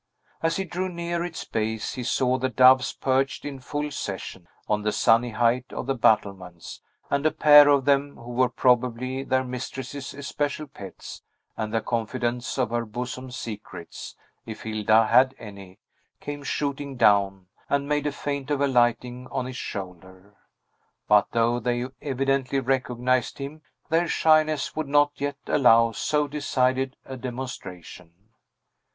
As he drew near its base, he saw the doves perched in full session, on the sunny height of the battlements, and a pair of them who were probably their mistress's especial pets, and the confidants of her bosom secrets, if Hilda had any came shooting down, and made a feint of alighting on his shoulder. But, though they evidently recognized him, their shyness would not yet allow so decided a demonstration.